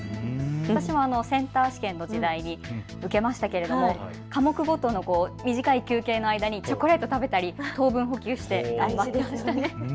私もセンター試験の時代に受けましたが科目ごとの短い休憩ごとにチョコを食べたり糖分補給をして頑張りました。